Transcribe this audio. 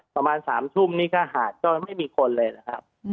ประมาณสามทุ่มหาดไม่มีคนไม่มีคนเลยนะครับ